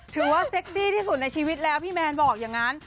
เซ็กซี่ที่สุดในชีวิตแล้วพี่แมนบอกอย่างนั้น